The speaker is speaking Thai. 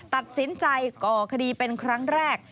ตัดสินใจก่อคดีเป็นครั้งแรก